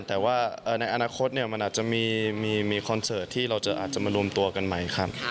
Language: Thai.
แต่ว่าในอนาคตมันอาจจะมีคอนเสิร์ตที่เราจะอาจจะมารวมตัวกันใหม่ครับ